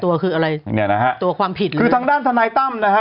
ตัวคืออะไรตัวความผิดคือทางด้านทนายตั้มนะฮะ